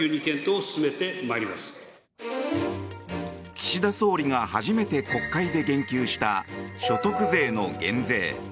岸田総理が初めて国会で言及した所得税の減税。